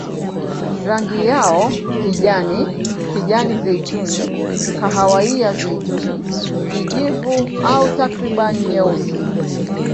Rangi yao kijani, kijani-zeituni, kahawia-zeituni, kijivu au takriban nyeusi.